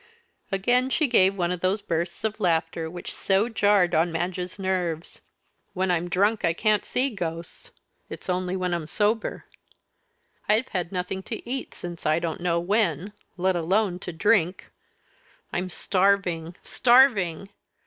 Again she gave one of those bursts of laughter which so jarred on Madge's nerves. "When I'm drunk I can't see ghosts it's only when I'm sober. I've had nothing to eat since I don't know when, let alone to drink. I'm starving, starving!